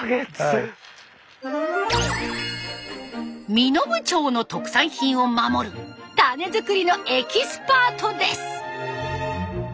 身延町の特産品を守る種づくりのエキスパートです。